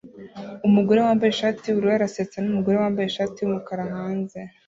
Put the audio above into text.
Umugore wambaye ishati yubururu arasetsa numugore wambaye ishati yumukara hanze